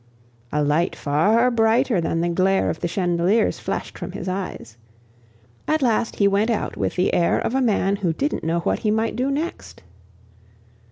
A light far brighter than the glare of the chandeliers flashed from his eyes. At last he went out with the air of a man who didn't know what he might do next.